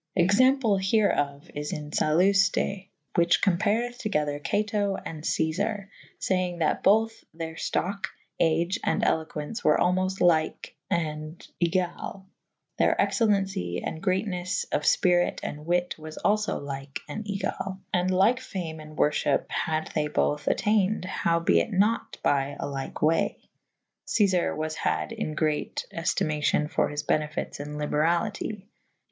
Example here of is in Salufte / whiche cowpareth together Cato and Ceiar / fayeng that bothe theyr ftocke / age and eloquence were almofte lyke and egall / theyr exceliencie' and greatnes of fpirite and wytte was alfo lyke and egal / and lyke fame and worfhyppe had they bothe attayned howe be it nat by a lyke waye. Cefer was had in great eftymacyon for his benefites and liberalyte.